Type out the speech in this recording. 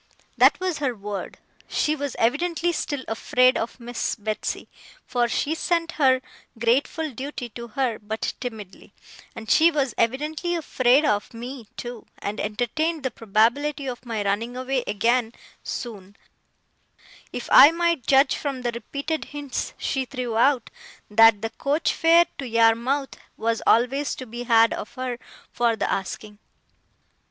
that was her word. She was evidently still afraid of Miss Betsey, for she sent her grateful duty to her but timidly; and she was evidently afraid of me, too, and entertained the probability of my running away again soon: if I might judge from the repeated hints she threw out, that the coach fare to Yarmouth was always to be had of her for the asking.